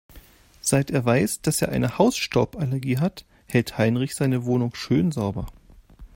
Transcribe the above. Seit er weiß, dass er eine Hausstauballergie hat, hält Heinrich seine Wohnung schön sauber.